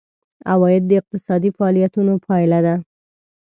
عواید د اقتصادي فعالیتونو پایله ده.